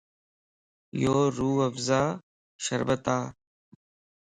يو روح افزاء شربت ا